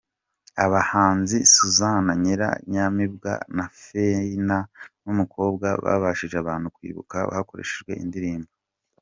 Abahanzi Suzanne Nyiranyamibwa na Faïne Numukobwa bashije abantu kwibuka hakoreshejwe indirimbo.